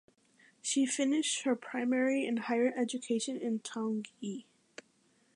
She finished her primary and higher education in Taunggyi.